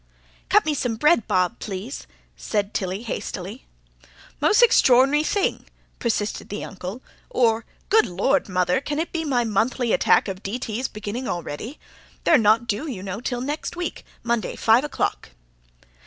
"Cut me some bread, Bob, please," said Tilly hastily. "Mos' extraor'nary thing!" persisted the Uncle. "Or good Lord, mother, can it be my monthly attack of D.T.'s beginning already? They're not due, you know, till next week, Monday, five o'clock."